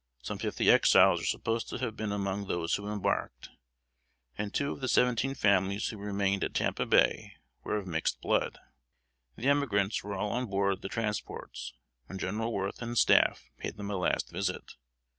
Some fifty Exiles are supposed to have been among those who embarked, and two of the seventeen families who remained at Tampa Bay were of mixed blood. The emigrants were all on board the transports, when General Worth and staff paid them a last visit.